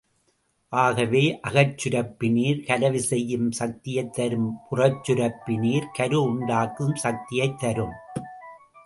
ஆகவே அகச்சுரப்பு நீர் கலவி செய்யும் சக்தியைத் தரும், புறச்சுரப்பு நீர் கரு உண் டாக்கும் சக்தியைத் தரும்.